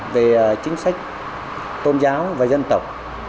về chính sách tôn giáo và dân tộc